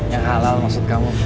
yang halal maksud kamu